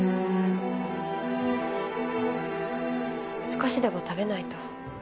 少しでも食べないと。